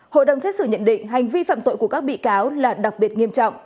hội đồng xét xử nhận định hành vi phạm tội của các bị cáo là đặc biệt nghiêm trọng